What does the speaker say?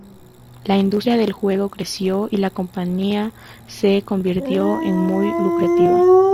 La industria del juego creció, y la compañía se convirtió en muy lucrativa.